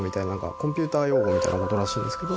コンピューター用語みたいなことらしいんですけど。